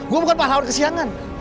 gue bukan pahlawan kesiangan